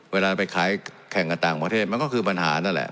เวลาไปขายแข่งกับต่างประเทศมันก็คือปัญหานั่นแหละ